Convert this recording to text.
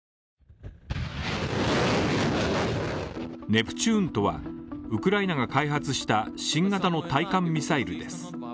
ネプチューンとは、ウクライナが開発した新型の対艦ミサイルです。